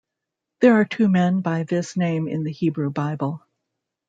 There are two men by this name in the Hebrew Bible.